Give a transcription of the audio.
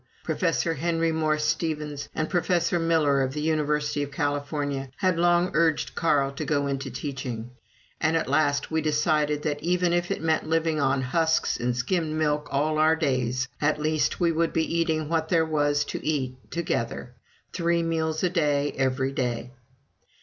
Professor Henry Morse Stephens and Professor Miller of the University of California had long urged Carl to go into teaching; and at last we decided that, even if it meant living on husks and skimmed milk all our days, at least we would be eating what there was to eat together, three meals a day every day.